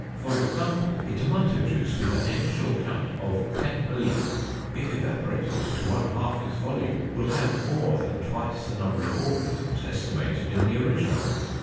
For example, a tomato juice with an initial count of 10,000,000 if evaporated to one half its volume will have more than twice the number of organisms estimated in the original.